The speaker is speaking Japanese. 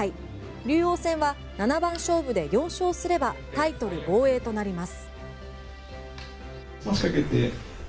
竜王戦は七番勝負で４勝すればタイトル防衛となります。